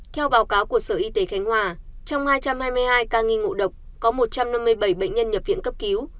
theo báo cáo của sở y tế khánh hòa trong hai trăm hai mươi hai ca nghi ngộ độc có một trăm năm mươi bảy bệnh nhân nhập viện cấp cứu